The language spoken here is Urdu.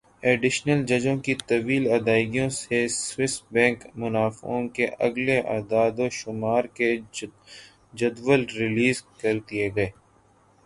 ایڈیشنل ججوں کی طویل ادائیگیوں سے سوئس بینک منافعوں کے اگلے اعدادوشمار کے جدول ریلیز کر دیے گئے